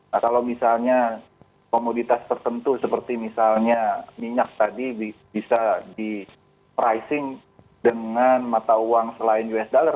nah kalau misalnya komoditas tertentu seperti misalnya minyak tadi bisa di pricing dengan mata uang selain usd